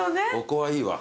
ここはいいわ。